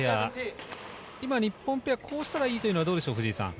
今、日本ペア、こうしたらいいというのは、どうでしょう？